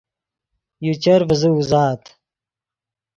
یو چر ڤیزے اوزات